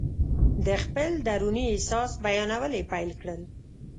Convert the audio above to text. د خپل دروني احساس بیانول یې پیل کړل.